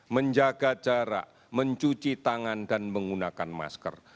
menjaga jarak mencuci tangan dan menggunakan masker